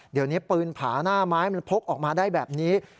เดี๋ยวนี้ปืนผาหน้าไม้มันพกออกมาได้แบบนี้